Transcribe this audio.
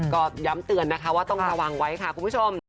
ก็ย้ำเตือนนะคะว่าต้องระวังไว้ค่ะคุณผู้ชม